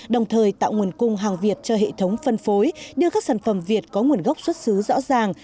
đồng thời tạo nguồn cung hàng việt cho hệ thống phân phối đưa các sản phẩm việt có nguồn gốc xuất xứ rõ ràng